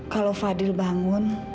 kalau fadil bangun